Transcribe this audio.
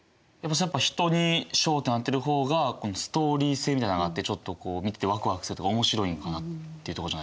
やっぱ人に焦点を当てる方がストーリー性みたいなのがあってちょっと見ててワクワクするとか面白いんかなっていうとこじゃないですか？